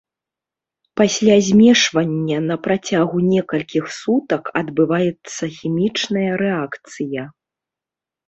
Пасля змешвання на працягу некалькіх сутак адбываецца хімічная рэакцыя.